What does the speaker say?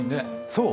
そう？